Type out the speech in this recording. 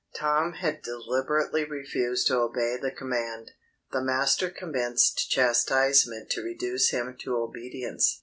Tom had deliberately refused to obey the command. The master commenced chastisement, to reduce him to obedience.